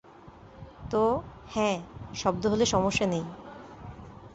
তো, হ্যাঁ, শব্দ হলে সমস্যা নেই।